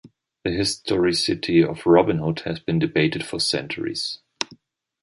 The historicity of Robin Hood has been debated for centuries.